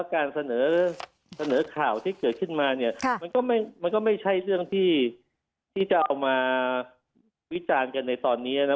การเสนอข่าวที่เกิดขึ้นมาเนี่ยมันก็ไม่ใช่เรื่องที่จะเอามาวิจารณ์กันในตอนนี้นะ